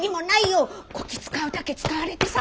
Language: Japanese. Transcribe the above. こき使うだけ使われてさ。